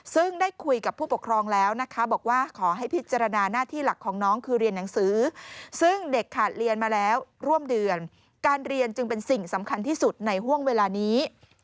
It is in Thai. ซึ่งได้คุยกับผู้ปกครองแล้วนะคะบอกว่าขอให้พิจารณาหน้าที่หลักของน้องคือเรียนหนังสือซึ่งเด็กขาดเรียนมาแล้วร่วมเดือนการเรียนจึงเป็นสิ่งสำคัญที่สุดในห่วงเวลานี้